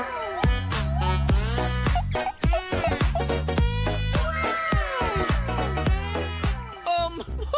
เล่นดึงน้ำออกทีละนิดทีละนิดแบบนี้เห็นที่ลูกค้ารอหลับแน่นอนครับ